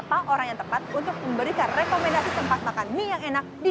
karena telah mengunjungi lebih dari seribu outlet bakmi dan juga seribu makmuk bakmi yang berbeda